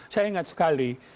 saya ingat sekali